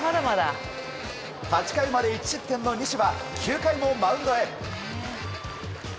８回まで１失点の西は９回もマウンドへ。